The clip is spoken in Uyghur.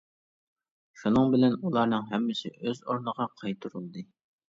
شۇنىڭ بىلەن ئۇلارنىڭ ھەممىسى ئۆز ئورنىغا قايتۇرۇلدى.